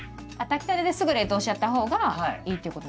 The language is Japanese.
炊きたてですぐ冷凍しちゃったほうがいいっていうこと？